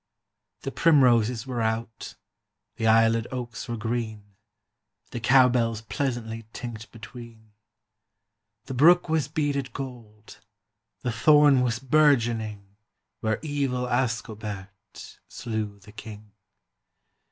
The primroses were out, The aislèd oaks were green, The cow bells pleasantly Tinked between; The brook was beaded gold, The thorn was burgeoning, Where evil Ascobert Slew the King.